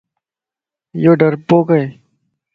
يو ڊرپوڪ ائي